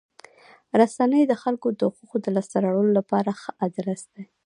رسنۍ د خلکو د حقوقو د لاسته راوړلو لپاره ښه ادرس دی.